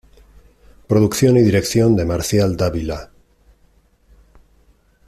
Producción y dirección de Marcial Dávila.